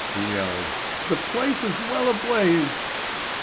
he yelled. "The place is well ablaze!"